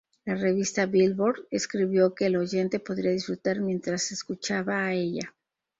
La revista "Billboard" escribió que el oyente podrá disfrutar mientras se escucha a ella.